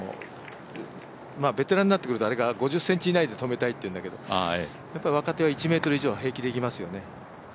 ベテランになってくると、５０ｃｍ以内で止めたいっていうんだけど若手は１ｍ以上、平気でいきますよね。